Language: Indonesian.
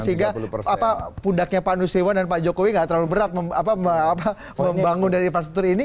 sehingga pundaknya pak nusriwan dan pak jokowi nggak terlalu berat membangun dari infrastruktur ini